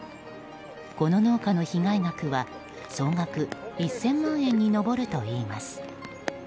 この農家の被害額は総額１０００万円に上るといいます。